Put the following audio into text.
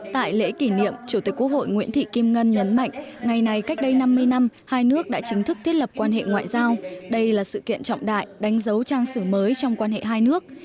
tại lễ kỷ niệm chủ tịch quốc hội nguyễn thị kim ngân nhấn mạnh ngày này cách đây năm mươi năm hai nước đã chính thức thiết lập quan hệ ngoại giao đây là sự kiện trọng đại đánh dấu trang sử mới trong quan hệ hai nước